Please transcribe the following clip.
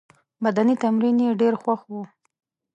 بدني تمرین یې ډېر خوښ وو.